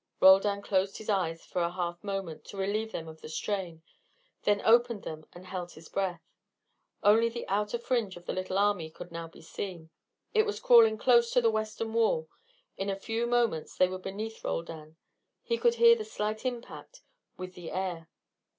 Roldan closed his eyes for a half moment to relieve them of the strain, then opened them and held his breath. Only the outer fringe of the little army could now be seen; it was crawling close to the western wall. In a few moments they were beneath Roldan; he could hear the slight impact with the air.